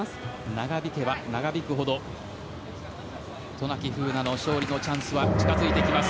長引けば長引くほど渡名喜風南の勝利のチャンスが近づいてきます。